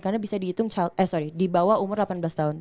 eh sorry dibawa umur delapan belas tahun